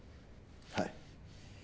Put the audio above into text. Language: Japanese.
はい。